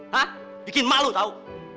hah bikin malu tau